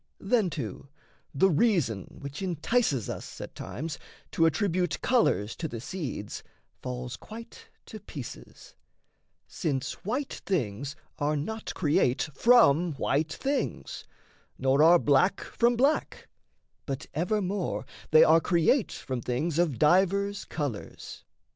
Then, too, the reason which entices us At times to attribute colours to the seeds Falls quite to pieces, since white things are not Create from white things, nor are black from black, But evermore they are create from things Of divers colours.